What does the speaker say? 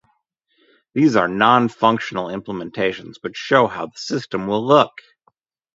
These are non-functional implementations but show how the system will look.